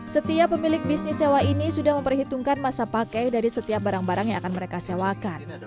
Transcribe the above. setiap pemilik bisnis sewa ini sudah memperhitungkan masa pakai dari setiap barang barang yang akan mereka sewakan